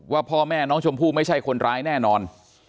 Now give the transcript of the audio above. ว่าพ่อแม่น้องชมพู่ไม่ใช่คนร้ายแน่นอน